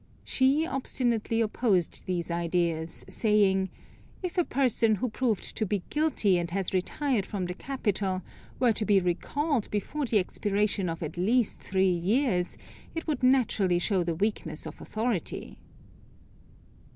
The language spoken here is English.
She obstinately opposed these ideas, saying, "If a person who proved to be guilty, and has retired from the capital, were to be recalled before the expiration of at least three years, it would naturally show the weakness of authority."